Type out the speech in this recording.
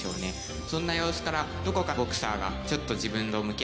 そんな様子からどこかボクサーがちょっと自分と向き合っている。